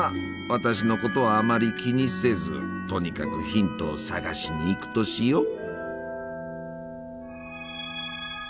私のことはあまり気にせずとにかくヒントを探しに行くとしよう。